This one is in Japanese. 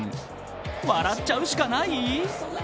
笑っちゃうしかない？